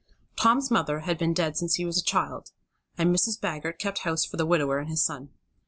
Tom's mother had been dead since he was a small child, and Mrs. Baggert kept house for the widower and his son.